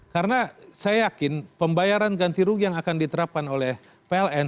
karena saya yakin pembayaran ganti rugi yang akan diterapkan oleh pln